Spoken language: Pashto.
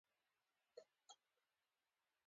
پښتو ژبه د یو شمېر اړینو ستونزو سره مخ شوې ده.